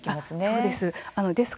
そうです。